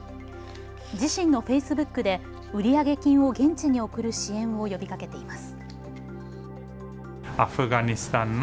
自身のフェイスブックで売上金を現地に送る支援を呼びかけています。